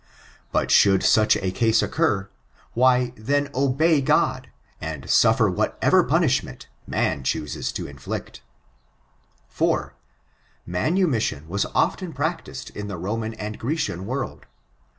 But should such case occur, why, then obey God, and suffer whatever punishment man chooses to inflict 4. Manumission was often practised in the Boman and Grecian world.